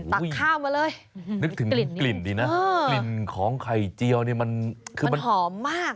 ข้าวมาเลยนึกถึงกลิ่นดีนะกลิ่นของไข่เจียวเนี่ยมันคือมันหอมมาก